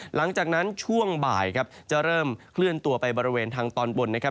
หลังจากนั้นช่วงบ่ายครับจะเริ่มเคลื่อนตัวไปบริเวณทางตอนบนนะครับ